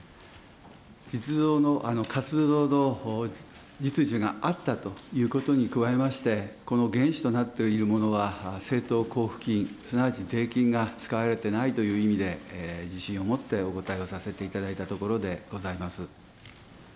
実動の、活動の実需があったということに加えまして、この原資となっているものは政党交付金、すなわち税金が使われていないという意味で、自信を持ってお答えをさせていただいたところでございます。